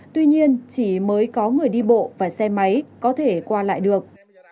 tuy nhiên chỉ mới có người đi bộ và xe máy có thể qua lại được